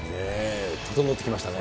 整ってきましたね。